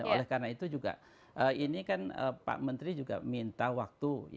oleh karena itu juga ini kan pak menteri juga minta waktu